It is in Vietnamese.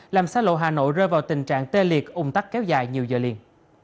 làm xa lộ hà nội rơi vào tình trạng tê liệt ung tắc kéo dài nhiều giờ liền